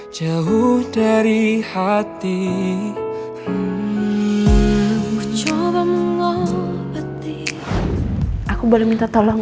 kamu boleh beliin aku martabak gak